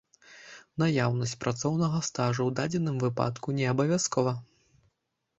Наяўнасць працоўнага стажу ў дадзеным выпадку неабавязкова.